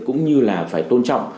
cũng như là phải tôn trọng